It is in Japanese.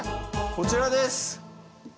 こちらです。